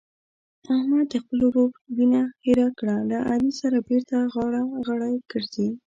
احمد د خپل ورور وینه هېره کړه له علي سره بېرته غاړه غړۍ ګرځي.